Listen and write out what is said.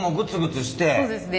そうですね。